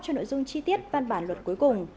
cho nội dung chi tiết văn bản luật cuối cùng